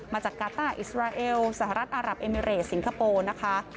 จากกาต้าอิสราเอลสหรัฐอารับเอมิเรตสิงคโปร์นะคะ